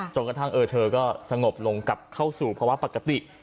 จนกระทั่งเธอก็สงบลงกลับเข้าสู่ภาวะปกติ